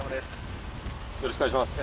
よろしくお願いします。